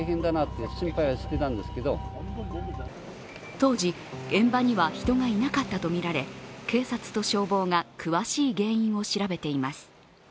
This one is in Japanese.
当時、現場には人がいなかったとみられ警察と消防が詳しい原因を調べています。